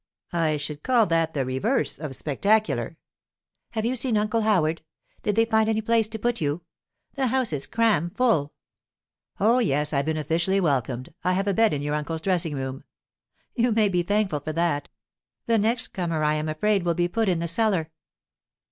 'I should call that the reverse of spectacular.' 'Have you seen Uncle Howard? Did they find any place to put you? The house is cram full.' 'Oh, yes, I've been officially welcomed. I have a bed in your uncle's dressing room.' 'You may be thankful for that. The next comer, I am afraid, will be put in the cellar.